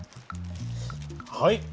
はい。